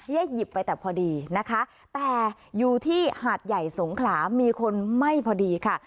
หยิบไปแต่พอดีนะคะแต่อยู่ที่หาดใหญ่สงขลามีคนไม่พอดีค่ะ